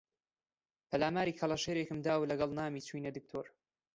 پەلاماری کەڵەشێرێکم دا و لەگەڵ نامی چووینە دکتۆر